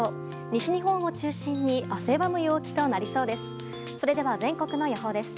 西日本を中心に汗ばむ陽気となりそうです。